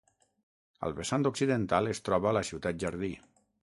Al vessant occidental es troba la Ciutat Jardí.